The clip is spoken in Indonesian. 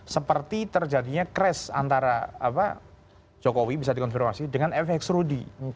seperti terjadinya crash antara jokowi bisa dikonfirmasi dengan fx rudy